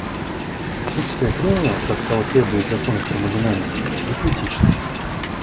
Отсутствие трения, как того требуют законы термодинамики, не критично.